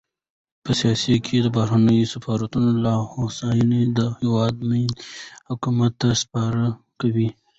په سیاست کې د بهرنیو سفارتونو لاسوهنه د هېواد ملي حاکمیت ته سپکاوی دی.